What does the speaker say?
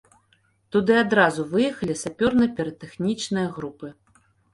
Туды адразу выехалі сапёрна-піратэхнічныя групы.